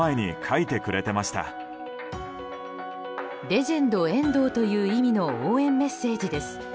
レジェンド・エンドーという意味の応援メッセージです。